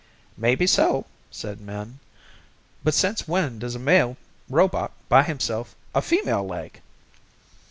"Maybe so," said Min. "But since when does a male robot buy himself a female leg?"